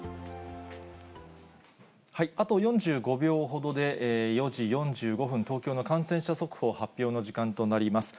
あと４５秒ほどで、４時４５分、東京の感染者速報発表の時間となります。